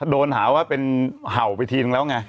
โดนหาว่าเป็นเห่าไปทีนึงแล้วไง